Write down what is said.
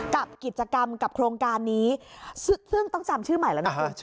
กับกิจกรรมกับโครงการนี้ซึ่งต้องจำชื่อใหม่แล้วนะคุณ